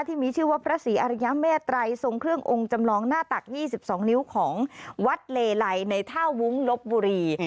ที่มีชื่อว่าพระศรีอริยเมตรัยทรงเครื่ององค์จำลองหน้าตัก๒๒นิ้วของวัดเลไลในท่าวุ้งลบบุรี